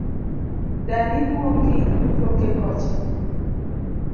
Dani luongi toke kocha